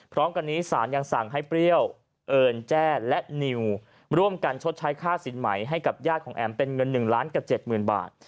พร้อมกันนี้สารยังสั่งให้เปรี้ยวเอิญแจ้และนิวร่วมกันชดใช้ค่าสินใหม่ให้กับญาติของแอ๋มเป็นเงิน๑ล้านกับ๗๐๐บาท